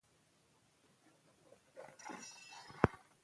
زده کړه ښځه د اقتصادي فشار پر وړاندې مقاومت لري.